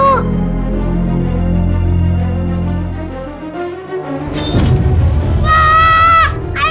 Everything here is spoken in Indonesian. kamu bilang masih mineralsan